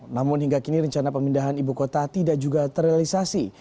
namun hingga kini rencana pemindahan ibu kota tidak juga terrealisasi